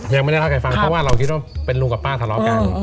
ยังไม่ได้เล่าให้ฟังเพราะว่าเราคิดว่าเป็นลุงกับป้าทะเลาะกัน